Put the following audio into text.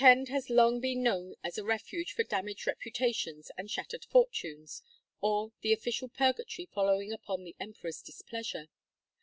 110 Across Asia on a Bicycle Tashkend has long been known as a refuge for damaged reputations and shattered fortunes, or "the official purgatory following upon the emperor's displeasure."